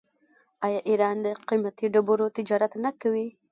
آیا ایران د قیمتي ډبرو تجارت نه کوي؟